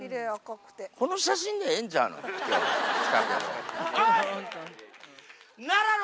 この写真でええんちゃうの？